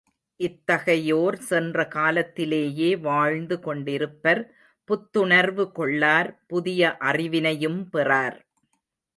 இத்தகையோர் சென்ற காலத்திலேயே வாழ்ந்து கொண்டிருப்பர் புத்துணர்வு கொள்ளார் புதிய அறிவினையும் பெறார்.